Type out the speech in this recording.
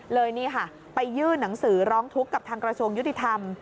เลยนี่ค่ะไปยื่นหนังสือร้องทุกข์กับทางกระทรวงยุติธรรม